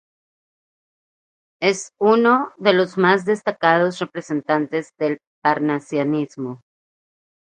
Es uno de los más destacados representantes del parnasianismo.